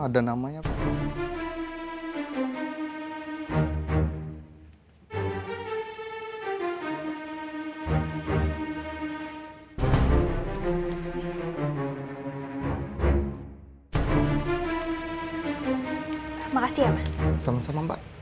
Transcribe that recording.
ya sama sama mbak